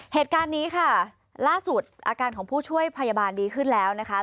เหตุการณ์นี้ค่ะล่าสุดอาการของผู้ช่วยพยาบาลดีขึ้นแล้วนะคะ